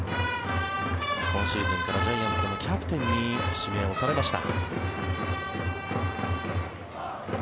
今シーズンからジャイアンツのキャプテンに指名をされました。